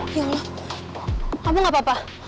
ya allah kamu gak apa apa